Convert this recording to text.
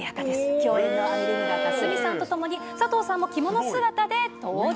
共演の有村架純さんと共に、佐藤さんも着物姿で登場。